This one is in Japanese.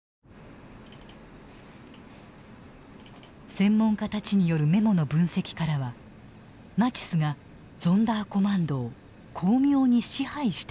専門家たちによるメモの分析からはナチスがゾンダーコマンドを巧妙に支配していた実態も見えてきた。